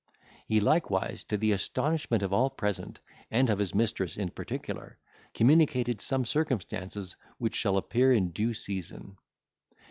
He likewise, to the astonishment of all present, and of his mistress in particular, communicated some circumstances, which shall appear in due season.